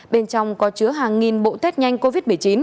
bên trong có chứa hàng nghìn bộ test nhanh covid một mươi chín